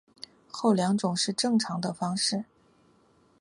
后两种是正常的方式。